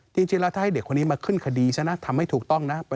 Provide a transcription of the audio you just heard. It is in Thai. จริงแล้วถ้าให้เด็กคนนี้มาขึ้นคดีซะนะทำให้ถูกต้องนะ